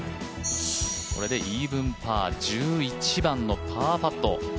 これでイーブンパー、１１番のパーパット。